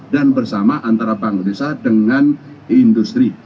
dan bersama antara bangun desa dengan industri